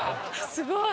すごい！